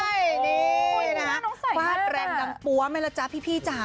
นี่นะฟาดแรงดังปั๊วไหมล่ะจ๊ะพี่จ๋า